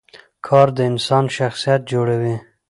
کار د انسان شخصیت جوړوي